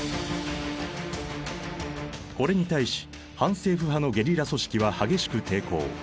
これに対し反政府派のゲリラ組織は激しく抵抗。